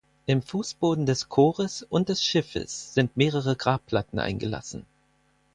Im Fußboden des Chores und des Schiffes sind mehrere Grabplatten eingelassen.